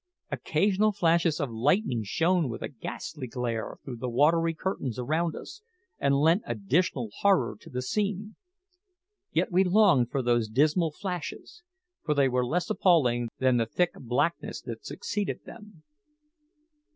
Occasional flashes of lightning shone with a ghastly glare through the watery curtains around us, and lent additional horror to the scene. Yet we longed for those dismal flashes, for they were less appalling than the thick blackness that succeeded them.